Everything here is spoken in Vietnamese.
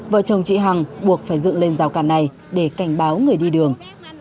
vợ chồng chị hằng buộc phải dự lên rào cản này để cảnh báo người đi đường